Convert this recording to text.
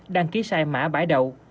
đăng ký sai mã bãi đậu